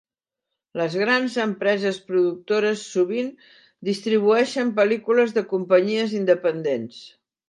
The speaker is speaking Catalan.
Les grans empreses productores sovint distribueixen pel·lícules de companyies independents.